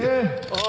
あ